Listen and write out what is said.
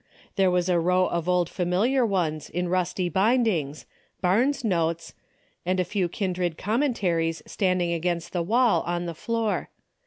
There was a row of old familiar ones, in rusty bindings, " Barnes' IN'otes " and a few kindred commen taries standing against the wall, on the floor.